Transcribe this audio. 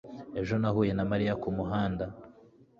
Ejo nahuye na Mariya kumuhanda